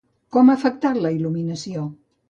Com ha afectat la il·luminació?